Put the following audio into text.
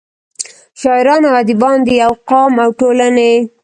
شاعران او اديبان دَيو قام او ټولنې